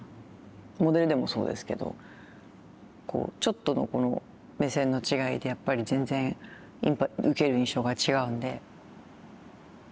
モデルでもそうですけどちょっとのこの目線の違いでやっぱり全然受ける印象が違うんで。